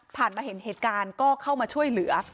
มาเห็นเหตุการณ์ก็เข้ามาช่วยเหลือ